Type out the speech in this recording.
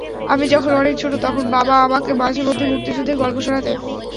আমি যখন অনেক ছোট, তখন বাবা আমাকে মাঝেমধ্যে মুক্তিযুদ্ধের গল্প শোনাতেন।